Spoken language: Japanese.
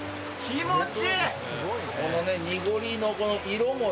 気持ちいい。